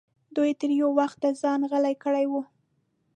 دوی تر یو وخته ځان غلی کړی و.